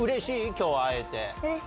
今日会えて。